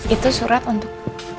itu surat untuk